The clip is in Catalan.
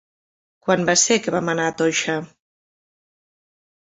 Quan va ser que vam anar a Toixa?